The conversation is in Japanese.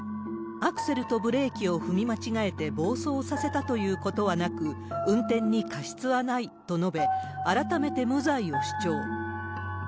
アクセルとブレーキを踏み間違えて暴走させたということはなく、運転に過失はないと述べ、改めて無罪を主張。